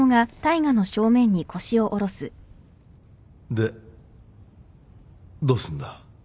でどうすんだ？